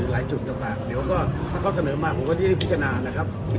แล้วก็ถ้าแนะนำมาสเนินจะได้พิจารณ์